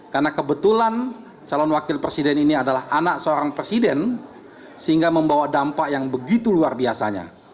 karena kebetulan calon wakil presiden ini adalah anak seorang presiden sehingga membawa dampak yang begitu luar biasanya